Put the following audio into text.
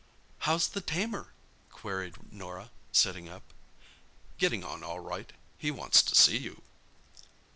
"How's the tamer?" queried Norah, sitting up. "Getting on all right. He wants to see you."